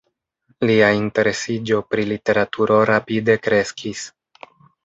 Lia interesiĝo pri literaturo rapide kreskis.